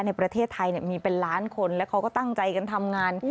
ในประเทศไทยมีเป็นล้านคนแล้วเขาก็ตั้งใจกันทำงาน